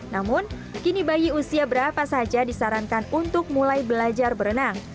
namun kini bayi usia berapa saja disarankan untuk mulai belajar berenang